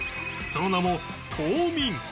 その名も「凍眠」